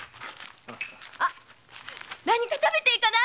あ何か食べて行かない？